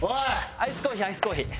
アイスコーヒーアイスコーヒー。